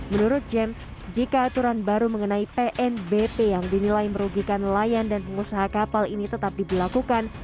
menurut james jika aturan baru mengenai pnbp yang dinilai merugikan nelayan dan pengusaha kapal ini tetap diberlakukan